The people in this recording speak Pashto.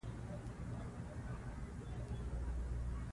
اولادونه یې هلته کوډله نه لري.